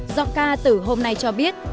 do ca từ hôm nay cho biết